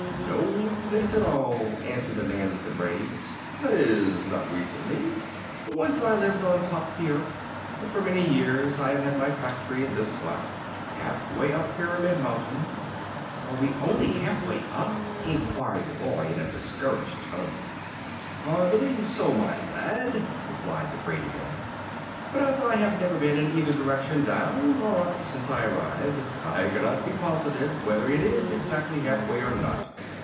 "No place at all," answered the man with the braids; "that is, not recently. Once I lived on top the earth, but for many years I have had my factory in this spot half way up Pyramid Mountain." "Are we only half way up?" enquired the boy, in a discouraged tone. "I believe so, my lad," replied the braided man. "But as I have never been in either direction, down or up, since I arrived, I cannot be positive whether it is exactly half way or not."